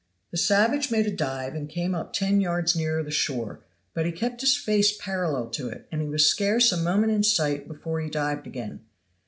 The savage made a dive and came up ten yards nearer the shore, but he kept his face parallel to it, and he was scarce a moment in sight before he dived again.